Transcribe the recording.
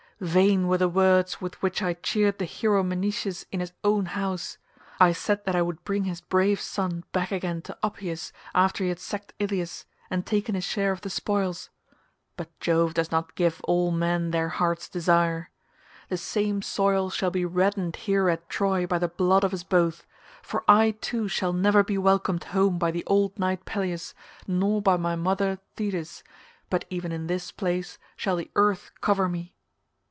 vain were the words with which I cheered the hero Menoetius in his own house; I said that I would bring his brave son back again to Opoeis after he had sacked Ilius and taken his share of the spoils—but Jove does not give all men their heart's desire. The same soil shall be reddened here at Troy by the blood of us both, for I too shall never be welcomed home by the old knight Peleus, nor by my mother Thetis, but even in this place shall the earth cover me.